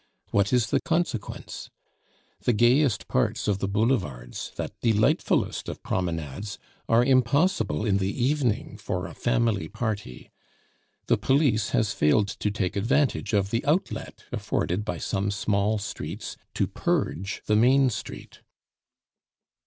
What is the consequence? The gayest parts of the Boulevards, that delightfulest of promenades, are impossible in the evening for a family party. The police has failed to take advantage of the outlet afforded by some small streets to purge the main street.